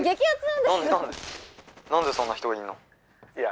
「なんでそんな人がいんの？」。